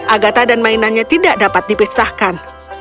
agata dan mainannya tidak dapat dipisahkan